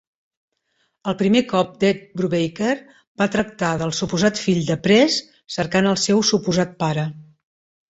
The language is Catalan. El primer cop d'Ed Brubaker va tractar del suposat fill de Prez cercant al seu suposat pare.